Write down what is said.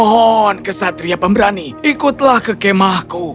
mohon kesatria pemberani ikutlah ke kemahku